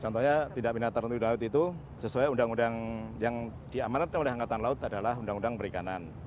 contohnya tindak binatang tertentu di laut itu sesuai undang undang yang diamanatkan oleh angkatan laut adalah undang undang perikanan